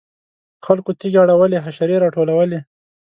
خلکو تیږې اړولې حشرې راټولولې.